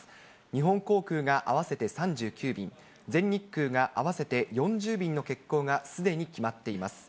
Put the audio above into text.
日本航空が合わせて３９便、全日空が合わせて４０便の欠航が、すでに決まっています。